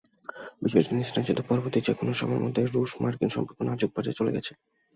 বিষয়টি নিয়ে স্নায়ুযুদ্ধ-পরবর্তী যেকোনো সময়ের মধ্যে রুশ-মার্কিন সম্পর্ক নাজুক পর্যায়ে চলে গেছে।